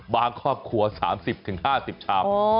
บางคร่อย๓๐๕๐ชาม